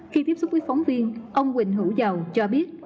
khi tiếp xúc với phóng viên ông quỳnh hữu giàu cho biết